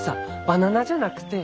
バナナじゃなくて。